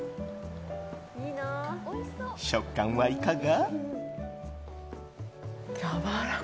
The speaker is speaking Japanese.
食感はいかが？